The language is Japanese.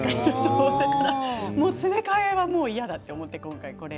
詰め替えは嫌だと思って。